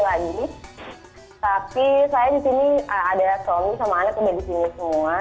tapi saya di sini ada suami sama anak udah di sini semua